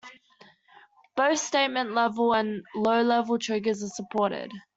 Both statement level and row level triggers are supported.